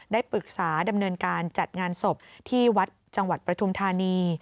ได้ปรึกษาดำเนินการจัดงานศพที่วัดจังหวัดปฐุมธานี